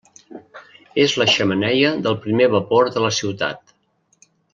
És la xemeneia del primer vapor de la ciutat.